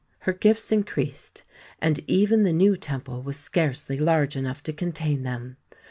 Her gifts increased, and even the new temple was scarcely large enough to contain them.